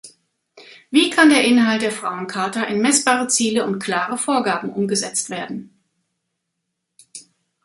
Wie kann der Inhalt der Frauen-Charta in messbare Ziele und klare Vorgaben umgesetzt werden?